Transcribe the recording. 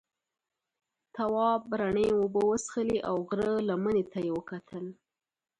تواب رڼې اوبه وڅښلې او غره لمنې ته یې وکتل.